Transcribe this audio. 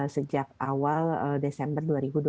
sejak awal desember dua ribu dua puluh